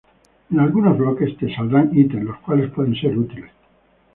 En algunos bloques te saldrán items los cuales pueden ser útiles.